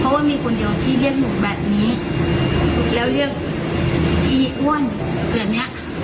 เพราะว่ามีคนเดียวที่เรียกหนูแบบนี้แล้วเรียกอีอ้วนแบบเนี้ย